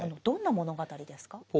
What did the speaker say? どんな物語ですか？